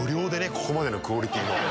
ここまでのクオリティー。